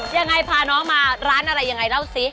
ยังไงพาน้องมาร้านอะไรยังไงเล่าสิ